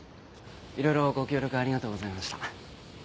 いろいろご協力ありがとうございました。